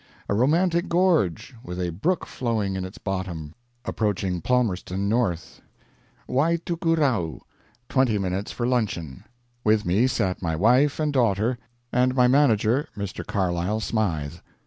A romantic gorge, with a brook flowing in its bottom, approaching Palmerston North. Waitukurau. Twenty minutes for luncheon. With me sat my wife and daughter, and my manager, Mr. Carlyle Smythe.